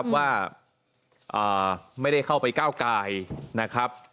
ว่าไม่ได้เข้าไปก้าวไกล